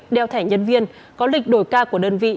đeo thẻ nhân viên có lịch đổi ca của đơn vị